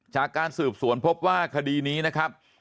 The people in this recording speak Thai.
จากการสืบสวนพบว่าคดีนี้นะครับ